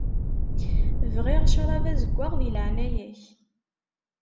Bɣiɣ ccṛab azeggaɣ di leɛnaya-k.